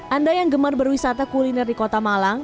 anda yang gemar berwisata kuliner di kota malang